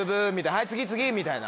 はい次次！みたいな。